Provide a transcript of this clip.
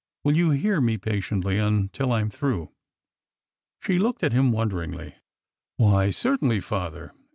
Will you hear me patiently until I am through ?" She looked at him wonderingly. " Why, certainly, father.